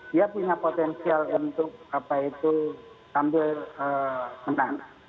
dia punya potensial untuk apa itu sambil menang